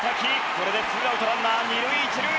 これでツーアウトランナー二塁一塁。